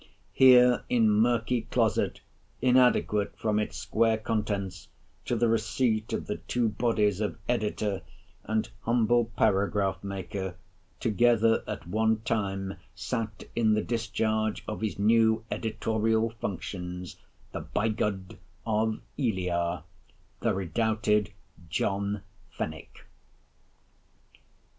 Here in murky closet, inadequate from its square contents to the receipt of the two bodies of Editor, and humble paragraph maker, together at one time, sat in the discharge of his new Editorial functions (the "Bigod" of Elia) the redoubted John Fenwick.